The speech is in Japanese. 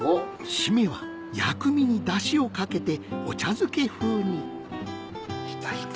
締めは薬味に出汁をかけてお茶漬け風にひたひた。